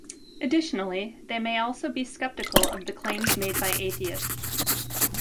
Additionally, they may also be skeptical of the claims made by atheists.